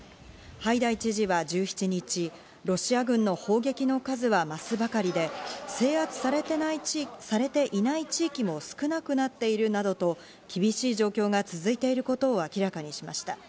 ハイダイ知事は１７日、ロシア軍の砲撃の数は増すばかりで、制圧されていない地域も少なくなっているなどと厳しい状況が続いていることを明らかにしました。